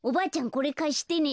これかしてね。